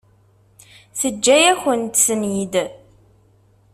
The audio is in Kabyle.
Teǧǧa-yakent-ten-id.